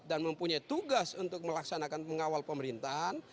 dan mempunyai tugas untuk melaksanakan pengawal pemerintahan